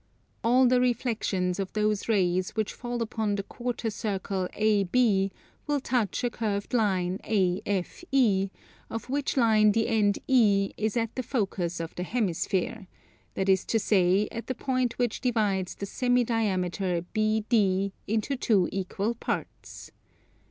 All the reflexions of those rays which fall upon the quarter circle AB will touch a curved line AFE, of which line the end E is at the focus of the hemisphere, that is to say, at the point which divides the semi diameter BD into two equal parts.